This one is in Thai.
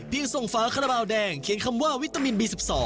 เพียงส่งฝาขนาบราวแดงเขียนคำว่าวิตามินบี๑๒